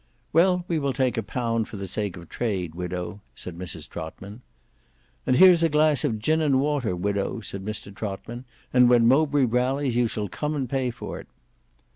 "Well, we will take a pound for the sake of trade, widow," said Mrs Trotman. "And here's a glass of gin and water, widow," said Mr Trotman, "and when Mowbray rallies you shall come and pay for it."